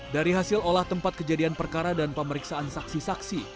dari hasil olah tempat kejadian perkara dan pemeriksaan saksi saksi